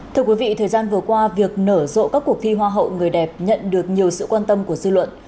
thưa quý vị thời gian vừa qua việc nở rộ các cuộc thi hoa hậu người đẹp nhận được nhiều sự quan tâm của dư luận